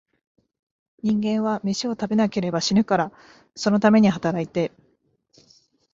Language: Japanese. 人間は、めしを食べなければ死ぬから、そのために働いて、